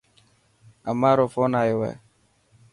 امان رو فون آيو هي.